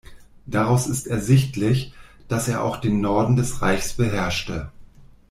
Daraus ist ersichtlich, dass er auch den Norden des Reichs beherrschte.